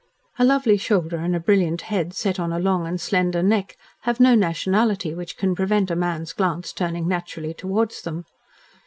A lovely shoulder and a brilliant head set on a long and slender neck have no nationality which can prevent a man's glance turning naturally towards them.